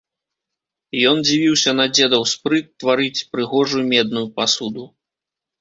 Ён дзівіўся на дзедаў спрыт тварыць прыгожую медную пасуду.